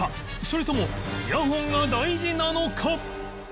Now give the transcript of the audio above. それともイヤホンが大事なのか？